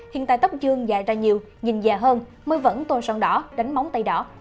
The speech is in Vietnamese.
hiện tại tóc dương dài ra nhiều nhìn dài hơn mới vẫn tôn son đỏ đánh móng tay đỏ